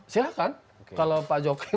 silahkan kalau pak jokowi